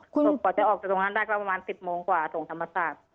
กว่าจะออกจากตรงนั้นได้ก็ประมาณ๑๐โมงกว่าส่งธรรมศาสตร์